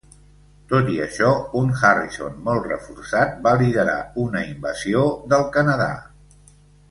Tot i això, un Harrison molt reforçat va liderar una invasió del Canadà.